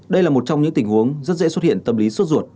đây là một trong những tình huống rất dễ xuất hiện tâm lý suốt ruột